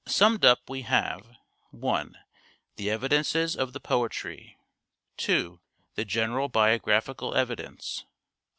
Summed up we have :— 1. The evidences of the poetry. 2. The general biographical evidence.